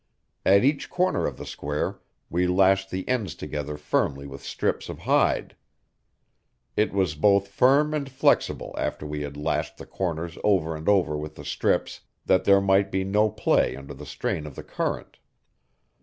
At each corner of the square we lashed the ends together firmly with strips of hide. It was both firm and flexible after we had lashed the corners over and over with the strips, that there might be no play under the strain of the current.